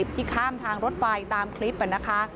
ที่ข้ามทางรถไฟตามคลิปนะคะ